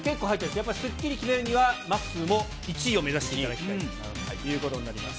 やっぱりすっきり決めるには、まっすーも１位を目指していただきたいということになります。